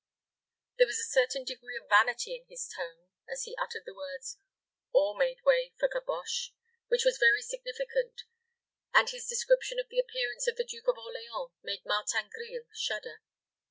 There was a certain degree of vanity in his tone as he uttered the words, "All made way for Caboche," which was very significant; and his description of the appearance of the Duke of Orleans made Martin Grille shudder.